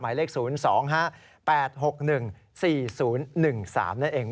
หมายเลข๐๒๕๘๖๑๔๐๑๓นั่นเอง